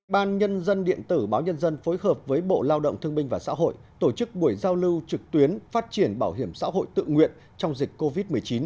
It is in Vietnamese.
ban nhân dân điện tử báo nhân dân phối hợp với bộ lao động thương binh và xã hội tổ chức buổi giao lưu trực tuyến phát triển bảo hiểm xã hội tự nguyện trong dịch covid một mươi chín